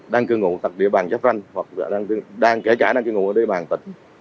đang cư ngụ tại địa bàn giáp tranh hoặc là đang kể trải đang cư ngụ ở địa bàn tỉnh